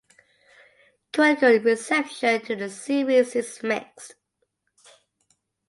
Critical reception to the series is mixed.